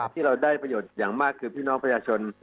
ที่เราได้ประโยชน์อย่างมากคือพี่น้องประชาชน